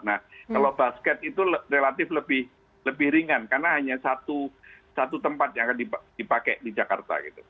nah kalau basket itu relatif lebih ringan karena hanya satu tempat yang akan dipakai di jakarta gitu